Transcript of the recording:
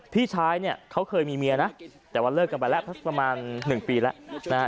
พี่ชายเนี่ยเขาเคยมีเมียนะแต่ว่าเลิกกันไปแล้วสักประมาณ๑ปีแล้วนะฮะ